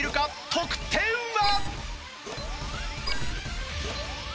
得点は！？